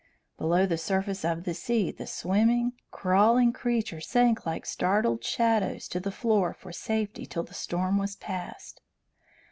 Below the surface of the sea the swimming, crawling creatures sank like startled shadows to the floor for safety till the storm was past.